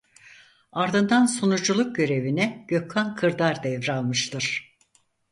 Ardından sunuculuk görevini Gökhan Kırdar devralmıştır.